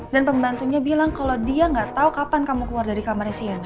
dan pembantunya bilang kalau dia gak tau kapan kamu keluar dari kamarnya sienna